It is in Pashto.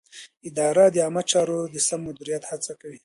اداره د عامه چارو د سم مدیریت هڅه کوي.